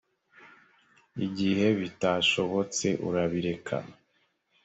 igihe bitashobotse urabireka.